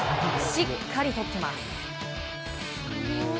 しっかりとってます。